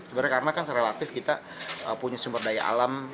sebenarnya karena kan serelatif kita punya sumber daya alam